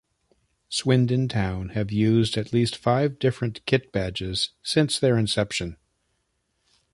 Swindon Town have used at least five different kit badges since their inception.